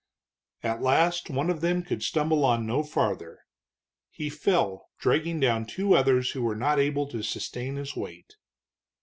At last one of them could stumble on no farther. He fell, dragging down two others who were not able to sustain his weight.